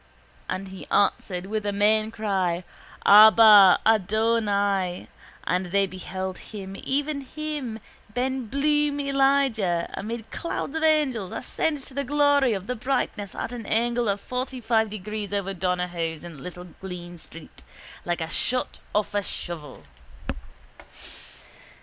_ And He answered with a main cry: Abba! Adonai! And they beheld Him even Him, ben Bloom Elijah, amid clouds of angels ascend to the glory of the brightness at an angle of fortyfive degrees over Donohoe's in Little Green street like a shot off a shovel.